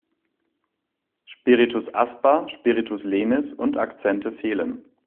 Spiritus asper, Spiritus lenis und Akzente fehlen.